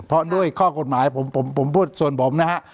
เพราะด้วยข้อกฎหมายผมพูดส่วนผมนะฮะ